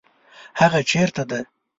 هغه چیرته ده؟